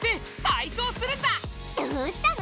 どうしたの？